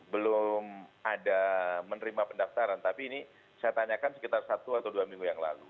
belum ada menerima pendaftaran tapi ini saya tanyakan sekitar satu atau dua minggu yang lalu